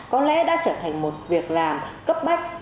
có lẽ đã trở thành một việc làm cấp bách